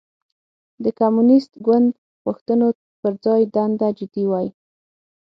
د کمونېست ګوند غوښتنو پر ځای دنده جدي وای.